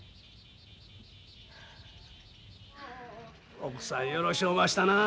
奥さんよろしおましたなあ。